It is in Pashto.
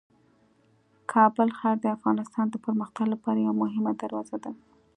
کابل ښار د افغانستان د پرمختګ لپاره یوه مهمه دروازه ده.